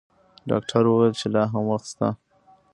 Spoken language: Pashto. ډاکټر وویل چې لا هم وخت شته.